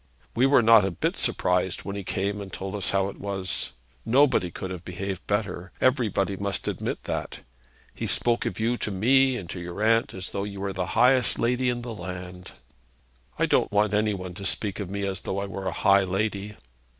'We were not a bit surprised when he came and told us how it was. Nobody could have behaved better. Everybody must admit that. He spoke of you to me and to your aunt as though you were the highest lady in the land.' 'I don't want any one to speak of me as though I were a high lady.'